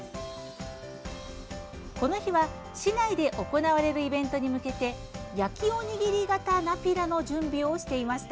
この日は、市内で行われるイベントに向けて焼きおにぎり型ナピラの準備をしていました。